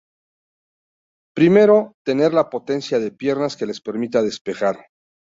Primero, tener la potencia de piernas que les permita despejar.